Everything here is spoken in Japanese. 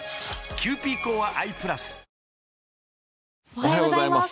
おはようございます。